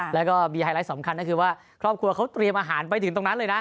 แล้วก็มีไฮไลท์สำคัญก็คือว่าครอบครัวเขาเตรียมอาหารไปถึงตรงนั้นเลยนะ